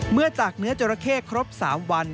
เมื่อตากเนื้อจรเคครบ๓วัน